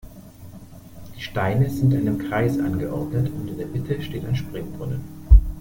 Die Steine sind in einem Kreis angeordnet und in der Mitte steht ein Springbrunnen.